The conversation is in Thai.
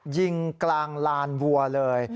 ยิงกลางลานวัวเลย